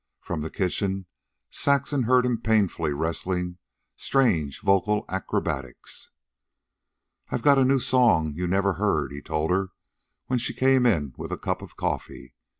From the kitchen Saxon heard him painfully wrestling strange vocal acrobatics. "I got a new song you never heard," he told her when she came in with a cup of coffee.